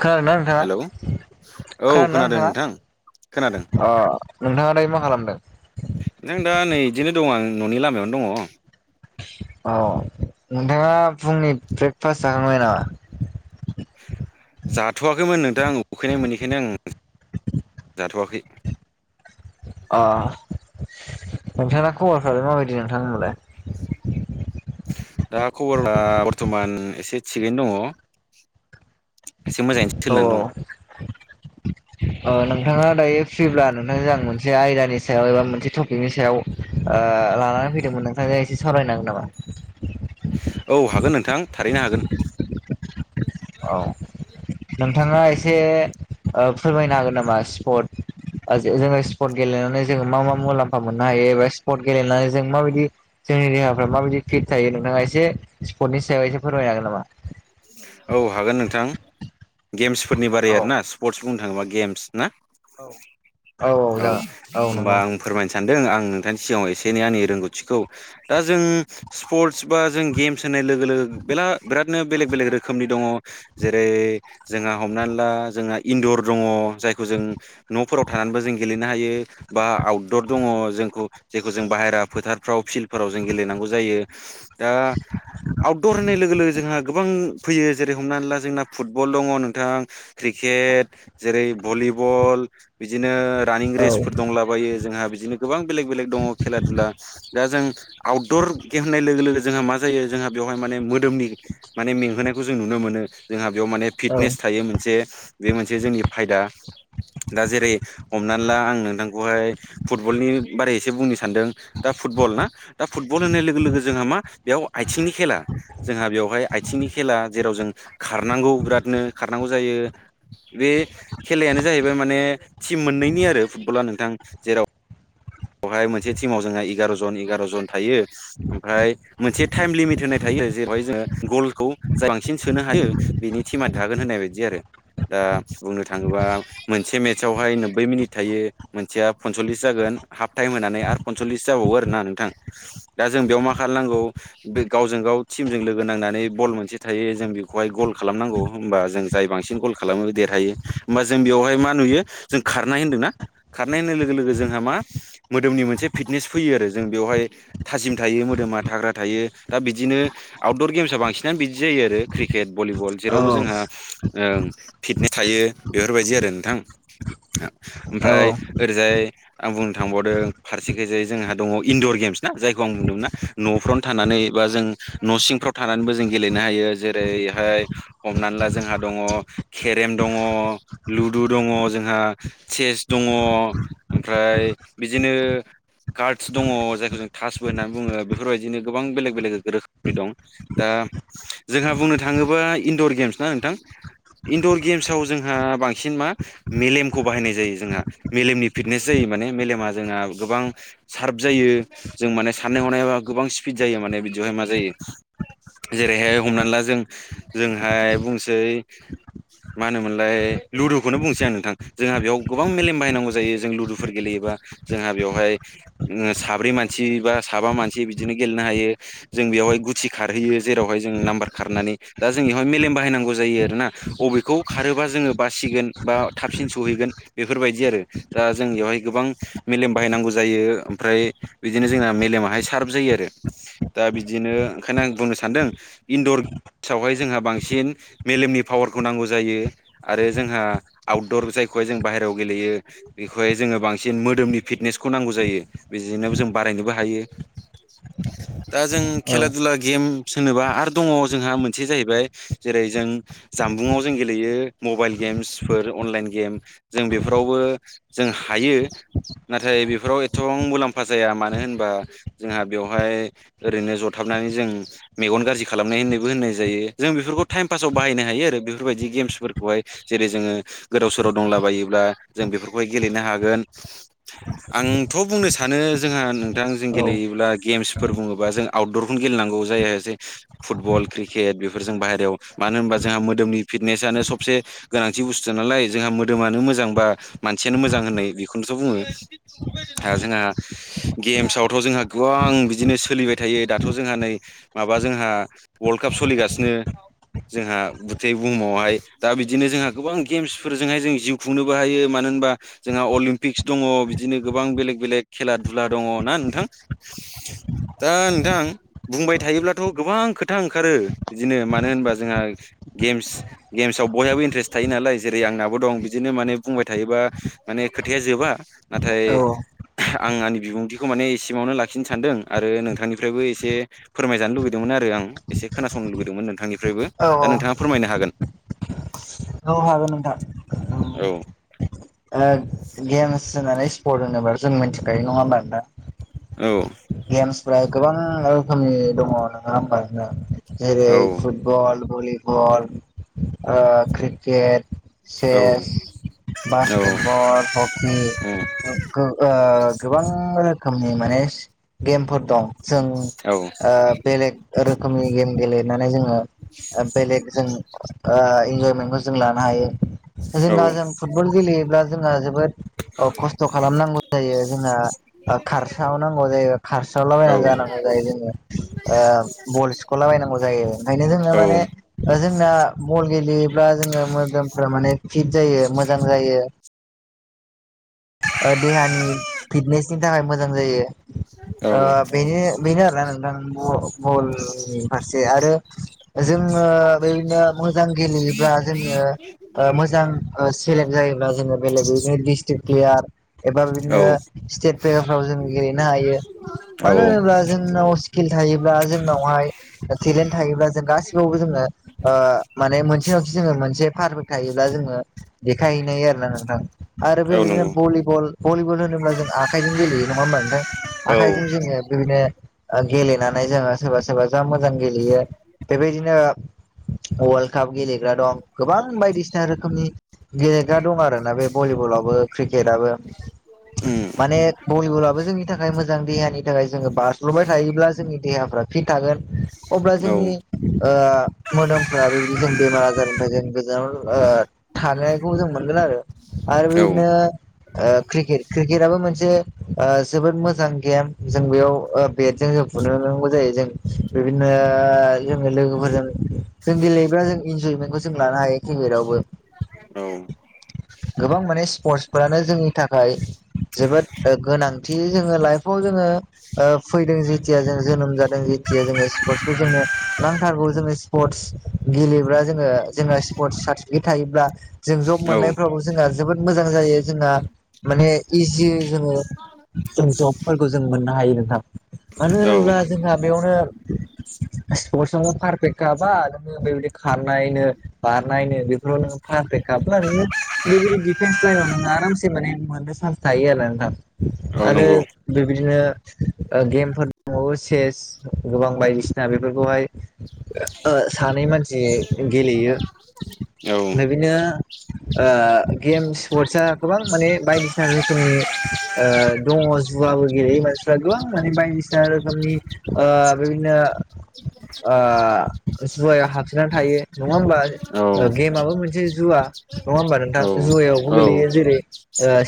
खोनादोंना नोंथाङा हेलौ औ खोनादोंना खोनादों नोंथाङा नोंथां। खोनादों अ नोंथाङा दायो मा खालामदों? नों दा नै बिदिनो दं आं न'नि लामायावनो दङ। औ नोंथाङा फुंनि ब्रेकफास्ट जाखांबाय नामा? जाथ'वाखैमोन नोंथां आं उखैनाय मोननिखायनो आं जाथ'वाखै। अ नोंथांना खबरफ्रालाय माबायदि नोंथांनालाय? दा खबरा बरथमान एसे थिगैनो दङ। एसे मोजाङै सोलिनानै दं। अ नोंथाङा दायो फ्रिब्ला नोंथांजों आं मोनसे आयदानि सायाव एबा मोनसे टपिकनि सायाव लानानै फैदोंमोन नोंथांजों एसे सावरायनो हागोन नामा? औ हागोन नोंथां थारैनो हागोन। औ नोंथाङा एसे फोरमायनो हागोन नामा स्पट जोङो स्पर्ट गेलेनानै जोङो मा मा मुलाम्फा मोननो हायो एबा स्पर्ट गेलेनानै जों माबायदि जोंनि देहाफ्रा माबायदि फिट थायो नोंथाङा एसे स्पर्टनि सायाव एसे फोरमायनो हागोन नामा? औ हागोन नोंथां गेम्सफोरनि बारै औ आरोना। स्पर्टस बुंनो थाङोबा गेम्स ना औ औ जागोन औ होमबा नंगौ आं फोरमायनो सानदों आं नोंथांनि सिगाङाव एसे एनै आंनि रोंगौथिखौ दा जों स्पर्टस बा जों गेम्स होननाय लोगो लोगो बिरादनो बेलेग बेलेग रोखोमनि दङ। जेरै जोंहा हमनानै ला जोंहा इन्दर दङ जायखौ जों न'फोराव थानानैबो जों गेलेनो हायो। बा आउटदर दङ जोंखौ जेखौ जों बाहेरा फोथारफ्राव फिलद फोराव जों गेलेनांगौ जायो दा आउटदर होननाय लोगो लोगो जोंहा गोबां फैयो जेरै हमनानै ला जोंना फुटबल दङ नोंथां क्रिकेट जेरै भलिबल बिदिनो रानिं औ रेसफोर दंलाबायो जोंहा बिदिनो गोबां बेलेग बेलेग दङ खेला दुला दा जों आउटदर गेमनाय लोगो लोगो जोंहा मा जायो जोंहा बेवहाय माने मोदोमनि माने मेंहोनायखौ जों नुनो मोनो जोंहा बेयाव माने औ फिटनेस थायो मोनसे बे मोनसे जोंनि फायदा दा जेरै हमना ला आं नोंथांखौहाय फुटबलनि बारै एसे बुंनो सानदों। दा फुटबल ना दा फुटबल होननाय लोगो लोगो जोंहा मा बेयाव आथिंनि खेला जोंहा बेवहाय आथिंनि खेला जेराव जों खारनांगौ बिरादनो खारनांगौ जायो। बे खेलायानो जाहैबाय माने टिम मोननैनि आरो फुटबला नोंथां जेराव बेवहाय मोनसे टिमाव जोंहा एगार' जन एगार' जन थायो। ओमफ्राय मोनसे टाइम लिमिट होननाय थायो जेरहाय जोङो गलखौ जाय बांसिन सोनो हायो बिनि थिमा थागोन होननाय बायदि आरो दा बुंनो थाङोबा मोनसे मेटचावहाय नोब्बै मिनिट थायो मोनसेया पनसल्लिस जागोन हाफ टाइम होनानै आरो पनसललिस जाबावो आरोना नोंथां दा जों बेयाव मा खालामनांगौ बे गावजों गाव टिमजों लोगो नांनानै बल मोनसे थायो जों बेखौहाय गल खालामनांगौ होमबा जों जाय बांसिन गल खालामो देरहायो होमबा जों बेयावहाय मा नुयो जों खारनाय होन्दोंना? खारनायनाय होन्नाय लोगो लोगो जोंहा मा मोदोमनि मोनसे फिटनेस फैयो आरो जों बेवहाय थाजिम थायो मोदोमा थाग्रा थायो दा बिदिनो आउटदर गेम्सआ बांसिनानो बिदि जायो आरो। क्रिकेट भलिबल औ जेरावबो जोंहा ओ फिटनेस थायो बेफोरबायदि आरो नोंथां ओमफ्राय ओरैजाय आं बुंनो थांबावदों फारसेखैजाय जोंहा दङ इनडर गेम्स ना जायखौ आं बुंदोंमोन ना? न'फ्रावनो थानानै बा जों न' सिंफ्राव थानानैबो जों गेलेनो हायो जेरैहाय हमनानै ला जोंहा दङ केरेम दङ, लुदु दङ जोंहा चेस दङ ओमफ्राय बिदिनो कार्डस दङ जायखौ जों थासबो होननानै बुङो बेफोरबायदिनो गोबां बेलेग बेलेग रोखोमनि दं। दा जोंहा बुंनो थाङोबा इन्दर गेम्स ना नोंथां। इन्दर गेम्साव जोंहा बांसिन मा मेलेमखौ बाहायनाय जायो जोंहा मेलेमनि फिट नेस जायो माने मेलेमा जोंहा गोबां सार्प जायो जों माने साननाय हनायाबा गोबां स्पिड जायो माने बिदियावहाय मा जायो जेरैहाय हमना ला जों जोंहाय बुंसै मा होनोमोनलाय लुदुखौनो बुंसै आं नोंथां जोंहा बेयाव गोबां मेलेम बाहायनांगौ जायो जों लुदुफोर गेलेयोबा जोंहा बेवहाय साब्रै मानसि बा साबा मानसि बिदिनो गेलेनो हायो जों बेवहाय गुथि खारहैयो जेरावहाय जों नाम्बार खारनानै दा जोंनि बेहाय मेलेम बाहायनांगौ जायो आरोना बबेखौ खारोबा जोङो बासिगोन बा थाबसिन सहैगोन बेफोरबायदि आरो दा जोंनि बेयावहाय गोबां मेलेम बाहायनांगौ जायो ओमफ्राय बिदिनो जोंना मेलेमाहाय सार्फ जायो आरो दा बिदिनो ओंखायनो आं बुंनो सानदों इन्दर सावहाय जोंहा बांसिन मेलेमनि पावारखौ नांगौ जायो आरो जोंहा आउटदर जायखौहाय जों बाहेरायाव गेलेयो बेखौहाय जोङो बांसिन मोदोमनि फिटनेसखौ नांगौ जायो बेजोंनो जों बारायनोबो हायो दा जों खेला दुला गेम सनोबा आरो दङ जोंहा मोनसे जाहैबाय जेरै जों जामबुंआव जों गेलेयो मबाइल गेम्सफोर अनलाइन गेम जों बेफोरावबो जों हायो नाथाय बेफोराव एथबां मुलाम्फा जाया मानो होनबा जोंहा बेवहाय ओरैनो जथाबनानै जों मेगन गाज्रि खालामनाय होननायबो होननाय जायो जों बेफोरखौ टाइम पासाव बाहायनो हायो आरो बेफोरबायदि गेम्सफोरखौहाय जेरै जोङो गोदाव सोराव दंलाबायोब्ला जों बेफोरखौहाय गेलेनो हागोन [inaudible] आंथ' बुंनो सानो जोंहा नोंथां जों गेलेयोब्ला गेम्सफोर बुङोबा जों आउटदरखौनो गेलनांगौ जायासै फुटबल क्रिकेट बेफोरजों बाहेरायाव मानो होनबा जोंहा मोदोमनि फिटनेसनो सबसे गोनांथि बुस्थु नालाय जोंहा मोदोमानो मोजां बा मानसियानो मोजां होननाय बेखौनोथ' बुङो। आरो जोंहा गेम्सआवथ' जोंहा गोबां बिदिनो सोलिबाय थायो दाथ' जोंहा नै माबा जोंहा वर्ल्ड काप सोलिगासिनो जोंहा बुथै बुहुमावहाय दा बिदिनो जोंहा गोबां गेम्सफोरजोंहाय जों जिउ खुंनोबो हायो। मानो होनबा जोंहा अलिमपिक्स दङ बिदिनो गोबां बेलेग बेलेग खेला दुला दङ ना नोंथां। [unintelligible] दा नोंथां बुंबाय थायोब्लाथ' गोबां खोथा ओंखारो बिदिनो मानो होनबा जोंहा गेम्स गेम्सआव बयहाबो इन्ट्रेस्ट थायो नालाय जेरै आंनाबो दं बिदिनो माने बुंबाय थायोबा माने खोथाया जोबा नाथाय औ आं आंनि बिबुंथिखौ माने एसेमावनो लाखिनो सानदों आरो नोंथांनिफ्रायबो एसे फोरमायजानो लुुबैदोंमोन आरो आं एसे खोनासंनो लुुबैदोंमोन नोंथांनिफ्रायबो औ दा नोंथाङा फोरमायनो हागोन। औ हागोन नोंथां। औ। ओ गेम्स होनानै स्पर्ट होनोबा जों मिथिखायो नङा होमबा नदा औ। गेम्सफोरा गोबां रोखोमनि दङ नङा होमबा जोंहा जेरै औ फुटबल भलिबल ओ क्रिकेट। औ। चेस औ बास्केटबल हक खि ओ गोबां रोखोमनि माने स गेमफोर दं जों औ ओ बेलेग रोखोमनि गेम गेले नानै जोङो बेलेग जों ओ इन्जयमेन्टखौ जों लानो हायो। जोंना जों फुटबल गेलेयोब्ला जोङो जोबोद अ खस्थ' खालामनांगौ जायो जोंना ओ खारसाव नांगौ जायो खारसावलाबायना जानांगौ जायो जोङो ओ बल सखलाबायायनांगौ जायो ओंखायनो जोंङनो माने जोंना बल गेलेयोब्ला जोङो मोदोमफ माने फिट जायो मोज जां जायो ओ देहानि फिटनेसनि थाखाय मोजां जायो। औ ओ बेनो बेनो आरोना नोंथां ब बलनि फारसे आरो जोङो बेदिनो मोजां गेलेयोब्ला जोङो ओ मोजां ओस सेलेक्ट जायोबब्ला जोङो बेलेग बिदिनो डिस्ट्रिक प्लेयार एबा औ बिदिनो स्टेट प्लेभारफ्राव जों गेलेनो हायो। औ मानो होनोब्ला जोंनाव स्किल थायोब्ला जोंनावहाय टेलेन्ट थायोब्ला जों गासिबावबो जोङो ओ माने मोनसेनावखि जोङो मोनसे पारफोर थायोब्ला जोङो देखायहैनाय आरोना नोंथां आरो औ बेबायदिनो नंगौ भलिबल भलिबल होन होन जों आखाइजों गेलेयो नङाोमबा नोंथां औ आख जजों जोङो बिदिनो गेलेनानै जोङो सोरबा सोरबा जा मोजां गेलेयो। बेबायदिनो वर्ल्ड काप गेलेग्रा दं गोबां बायदिसिना रोखोमनि गेलेग्रा दं आरोना बे भलिबलावबो क्रिकेटाबबो। उम माने भलिबलाबो जोंनि थाखाय मोजां देहानि थाखाय जोङो बारस्ल'बाय थायोब्ला जोंनि देहाफ्रा फि थागोन। अब्ला औ जोंनि ओ मोदोमफोरा बेबायदि जों बेमार आजारनिफ्राय जों गोजानाव ओ थानायखौ जों मोनगोन आरो आरो औ बिदिनो ओ क्रिकेट क्रिकेटआबो मोनसे ओ जोबोद मोजां गेम जों बेयाव बेटजों जों फुनोांगौ जायो जों बिदिनो ओ जोङो लोगोफोरजों जों गेलेयोब्ला जों इन्जयमेन्टखौ जों लानो हायो क्रिकेटवबो औ। गोबां माने स्पर्टसफोरानो जोंनि थाखाय जोबोद गोनांथि जोङो लाइफआव जोङो ओ फैदों जेथिया जों जोनोम जादों जेथिया जोङो स्पर्टसखौ जोंनो नांथारगौ जोङो स्पर्टस औ गेलेयो [inaudible] बो जोंहा जोबोद मोजां जायो जोंहा माने इजि जोङो जों जबफोरखौ जों मोननो हायो नोंथां मानो होनोब्ला जोंहा बेयावनो स्पर्टसआवबो पारफेक्ट गाबा नोङ बेबायदि खारनायनो बारनायनो बेफोराव नो फारफेख खाब्ला नोङो बेबायदि डिफेन्स लाइनाव नोङो आरामसे माने मोननो चान्स थायो आरो नोंथा। औ आरो नंगौ बेबायदिनो ओ गेमफोर दंबावो चेस गोबां बायदिसिना बेफोरखौहाय सानै मानसि गेलेयो। औ। बिदिनो गेमस स्पर्टस आ गोबां माने बायदिसिना रोखोमनि दङ जुवाबो गेलेयो मानसिफ्रा गोबां माने बायदिसिना रोखोमनि बिबायदिनो ओ जुवायाव हाबसोननानै थायो नङा होमबा औ गेमाबबो मोनसे जुवा नङा होमबा नोंथां औ जुवायावबो औ गोगलैयो औ जेरै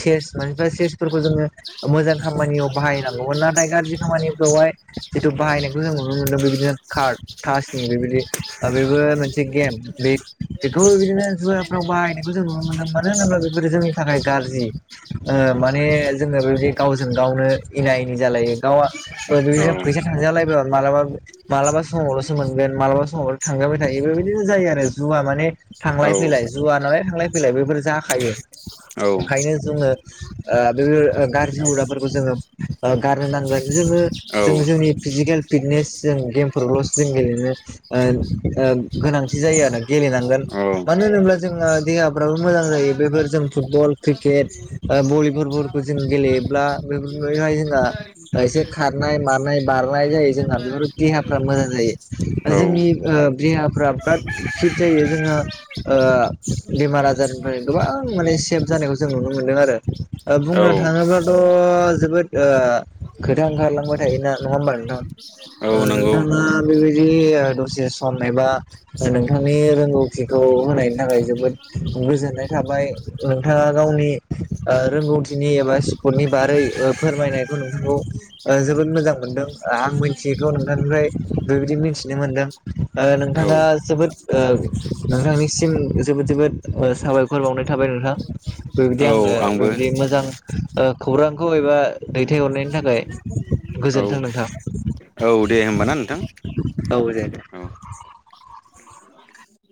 चेस मानफा चेसफोरखौ जोङो मोजां खामानियाव बाहायनांगौमोन नाथाय गाज्रि खामानिफ्रावहाय जिथु बाहायनायखौ जों नुनो मोनदों बेबायदिनो कार्ड थासनि बेबायदि बेबो मोनसे गेम बे बेखौ बिनो जुवाफ्राव बाहायनायखौ जों नुनो मोनदों मानो होन्ला बेफोरो जोंनि थाखाय गाज्रि माने जोङो बेबायदि गावजों गावनो एना एनि जालायो गावआ अ बि थजााय मालाबा मालाबा समावल'सो मोनगोन मालाबा समाव' थांजाबाय थायो बे बिदिनो जायो आरो जुवा माने थांलाय फैलाय जुवा नालाय थांलाय फैलाय बेफोर जाखायो ओंखायनो जोङो बे गाज्रि हौदाफोरखौ जोङो गारनो नांगोन जोङो जों जोंनि फिजिकेल फिटनेस जों गेमफोरावल'सो जों गेलेनो गोनांथि जायो आरो गेलेनांगोन मानो होनोब्ला जोंहा देहाफ्राबो मोजां जायो बेफोर जों फुटबल क्रिकेट भलिबल जों गेलेयोब्ला बेफोरहाय जोंहा एसे खारनाय मानाय बारनाय जायो जोंना बेफोर देहाफ्रा मोजां जायो औ जोंनि देहाफ बिराद खित जायो जोंहा बेमार आजारनिफ्राय गोबां माने सेभ जानायखौ जों नुनो मोनदों आरो औ बुंनो थाङोब्ला जोबोद खोथा ओंखारलांबाय थायोना नङा होमबा नोंथां औ ओ नंगौ नोंथाङा बेबायदि दसे सम एबा नोंथांनि रोंगौथि खौ होनायनि थाखाय जोबोद गोजोननाय थाबाय नोंथाङा गावनि रोंगौथिनि एबा सि्पर्टनि बारै फोरमायनायखौ नोंहगौ जोबोद मोजां मोनदों आं मिथियैखौ नोंथांनिफ्राय बेबायदि मिथिनो मोन्दों औ नोंथाङा जोबोद नोंथांनिसिम जोबोद जोबोद साबायखर बावनाय थाबाय नोंथां बेबायदि औ आं आरो आंबो बेबदि मोजां खौरांखौ एबा दैथायहरनायनि थाखाय औ गोजोन्थों नोंथां औ दे होमब्ला ना नोंथां औ दे दे औ